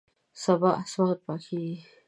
سبا اسمان پاکیږي